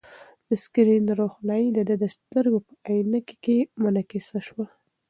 د سکرین روښنايي د ده د سترګو په عینکې کې منعکسه شوه.